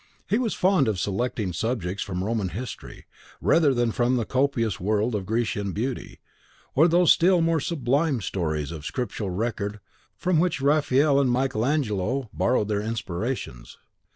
He was fond of selecting subjects from Roman history, rather than from the copious world of Grecian beauty, or those still more sublime stories of scriptural record from which Raphael and Michael Angelo borrowed their inspirations.